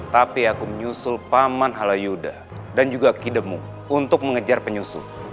tapi aku menyusul paman halayuda dan juga kidemu untuk mengejar penyusu